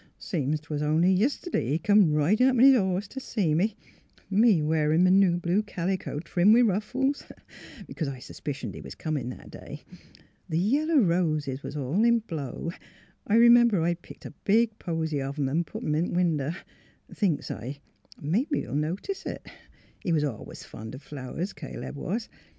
Seems 's'o' 'twas only yiste'd'y he come ridin' up on his horse t' see me, — me a wearin' m' new blue calico, trimmed with ruffles — b 'cause I suspicioned he was comin' that day. The yellow roses was all in blow. I r 'member I'd picked a big posy of 'em an' put it in th' winder. Thinks s'l, mebbe he'll notice it. He was always fond o' flowers — Caleb was.